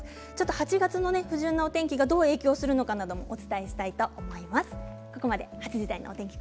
８月の不順なお天気がどう影響するのかもお伝えしたいと思います。